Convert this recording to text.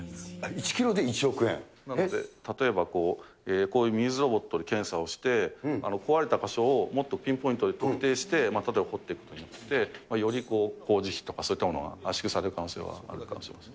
１キロで１億円？なので、例えばこういうミミズロボットで検査をして、壊れた箇所をもっとピンポイントで特定して、例えば掘っていって、より工事費とか、そういったものが圧縮される可能性はあるかもしれません。